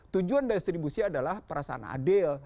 tujuan distribusi adalah perasaan adil